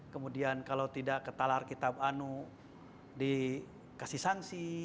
kemudian kalau tidak ke talar kitab anu dikasih sangsi